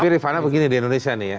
tapi rifana begini di indonesia nih ya